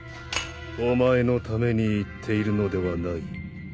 お前のために言っているのではない。